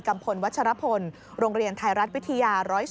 พลวัชรพลโรงเรียนไทยรัฐวิทยา๑๐๒